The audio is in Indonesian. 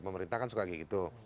pemerintah kan suka kayak gitu